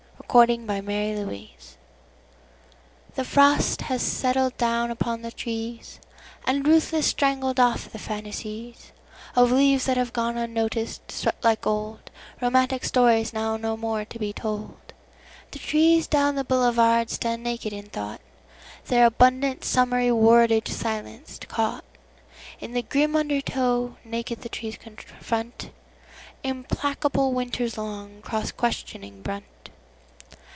Winter in the Boulevard THE FROST has settled down upon the treesAnd ruthlessly strangled off the fantasiesOf leaves that have gone unnoticed, swept like oldRomantic stories now no more to be told. The trees down the boulevard stand naked in thought, Their abundant summery wordage silenced, caughtIn the grim undertow; naked the trees confrontImplacable winter's long, cross questioning brunt.